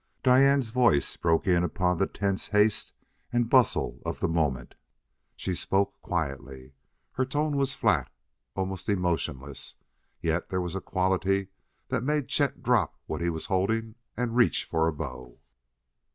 Diane's voice broke in upon the tense haste and bustle of the moment. She spoke quietly her tone was flat, almost emotionless yet there was a quality that made Chet drop what he was holding and reach for a bow.